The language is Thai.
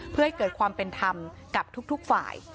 เพื่อให้เกิดความเป็นธรรมกับทุกฝ่าย